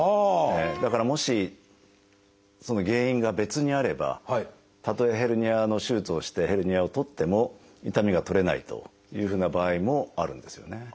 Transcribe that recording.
だからもしその原因が別にあればたとえヘルニアの手術をしてヘルニアを取っても痛みが取れないというふうな場合もあるんですよね。